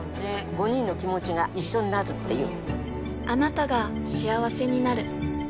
５人の気持ちが一緒になるっていう。